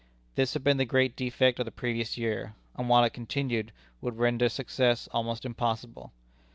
This had been the great defect of the previous year, and, while it continued, would render success almost impossible.